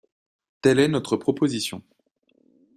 Telle est notre proposition.